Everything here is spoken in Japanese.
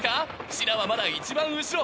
シラはまだ一番後ろ。